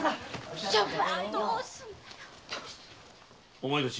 お前たち